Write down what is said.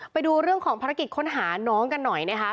ไปดูเรื่องของภารกิจค้นหาน้องกันหน่อยนะคะ